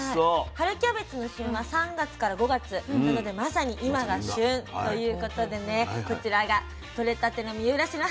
春キャベツの旬は３月から５月なのでまさにいまが旬ということでねこちらが取れたての三浦市の春キャベツです。